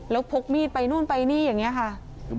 แล้วพกมีดไปนู่นไปนี่อย่างนี้ค่ะ